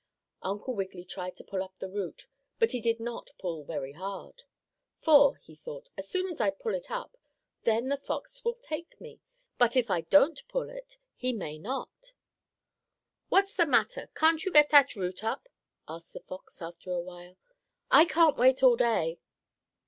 Uncle Wiggily tried to pull up the root, but he did not pull very hard. "For," he thought, "as soon as I pull it up then the fox will take me, but if I don't pull it he may not." "What's the matter? Can't you get that root up?" asked the fox, after a while. "I can't wait all day."